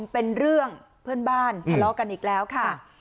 เป็นเรื่องเพื่อนบ้านทะเลาะกันอีกแล้วค่ะ